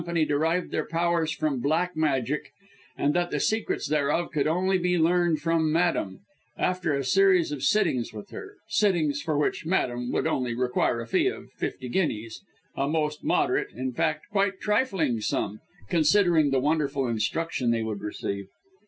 derived their powers from Black Magic; and that the secrets thereof could only be learned from Madame, after a series of sittings with her sittings for which Madame would only require a fee of fifty guineas: a most moderate, in fact quite trifling, sum, considering the wonderful instruction they would receive.